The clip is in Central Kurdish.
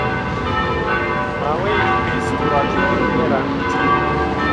ماوەیەکی پێچوو ڕادیۆ ئێران گوتی: